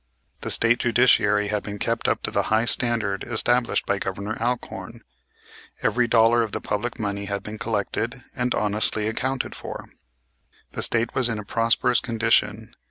The State judiciary had been kept up to the high standard established by Governor Alcorn. Every dollar of the public money had been collected, and honestly accounted for. The State was in a prosperous condition.